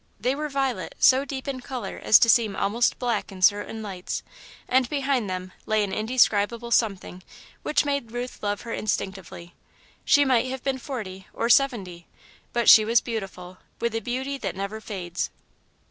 They were violet, so deep in colour as to seem almost black in certain lights, and behind them lay an indescribable something which made Ruth love her instinctively. She might have been forty, or seventy, but she was beautiful, with the beauty that never fades.